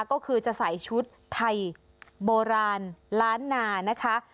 ก็คือจะใส่ชุดไทยโบราณล้านนานะคะ